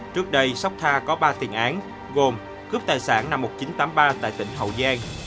trước đây sóc tha có ba tiền án gồm cướp tài sản năm một nghìn chín trăm tám mươi ba tại tỉnh hậu giang